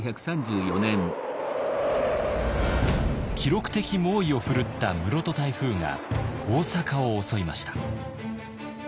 記録的猛威を振るった室戸台風が大阪を襲いました。